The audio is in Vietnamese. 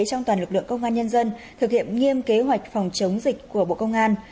trong toàn lực lượng công an nhân dân thực hiện nghiêm kế hoạch phòng chống dịch của bộ công an